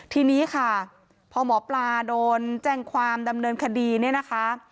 ทีนี้ค่ะพอหมอปลาโดนแจ้งความดำเนินคดีเนี่ยนะคะ